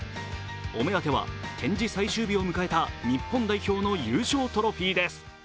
お目当ては、展示最終日を迎えた日本代表の優勝トロフィーです。